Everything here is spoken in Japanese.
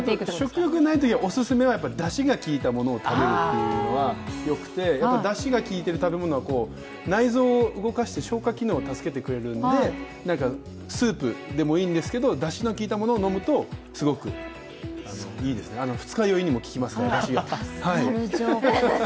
食欲がないときはオススメはだしがきいたものを食べるというのはよくてだしがきいてる食べ物は内臓を動かして消化機能を助けてくれるんでスープでもいいんですけどだしのきいてるものを食べるとすごくいいですね二日酔いにもききますから、だしがあら、助かる情報です。